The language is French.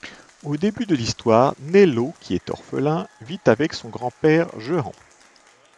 Au début de l'histoire, Nello, qui est orphelin, vit avec son grand-père Jehan.